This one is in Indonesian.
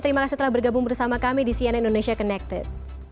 terima kasih telah bergabung bersama kami di cnn indonesia connected